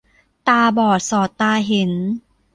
ตาบอดสอดตาเห็น